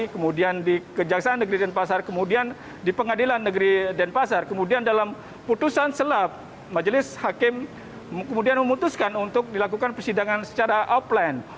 kemudian di kejaksaan negeri denpasar kemudian di pengadilan negeri denpasar kemudian dalam putusan selap majelis hakim kemudian memutuskan untuk dilakukan persidangan secara offline